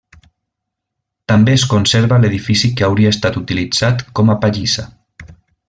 També es conserva l'edifici que hauria estat utilitzat com a pallissa.